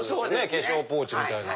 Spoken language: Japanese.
化粧ポーチみたいな。